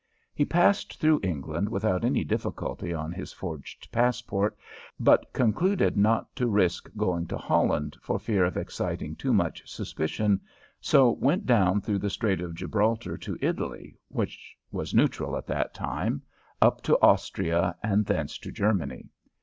He passed through England without any difficulty on his forged passport, but concluded not to risk going to Holland, for fear of exciting too much suspicion, so went down through the Strait of Gibraltar to Italy, which was neutral at that time, up to Austria, and thence to Germany.